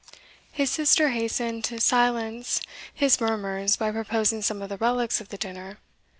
His sister hastened to silence his murmurs, by proposing some of the relies of the dinner.